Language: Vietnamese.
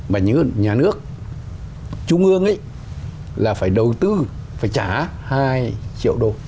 mà như nhà nước trung ương là phải đầu tư phải trả hai triệu đô